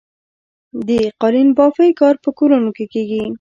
د قالینبافۍ کار په کورونو کې کیږي؟